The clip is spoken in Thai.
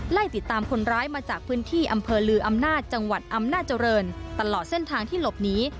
ไล่ติดตามคนร้ายมาจากพื้นที่อำเภอลืออำนาจจังหวัดอำนาจริงตลอดเส้นทางที่หลบหนี